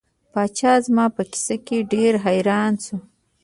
پاچا زما په کیسه ډیر حیران شو.